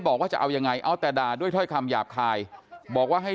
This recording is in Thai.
บอกว่าจะเอายังไงเอาแต่ด่าด้วยถ้อยคำหยาบคายบอกว่าให้